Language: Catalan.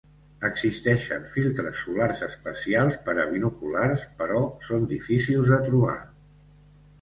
Existeixen filtres solars especials per a binoculars, però són difícils de trobar.